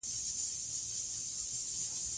افغانستان د پامیر د لوړو څوکو لپاره په نړۍ مشهور دی.